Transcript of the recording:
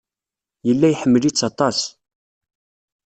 Yella iḥemmel-itt aṭas.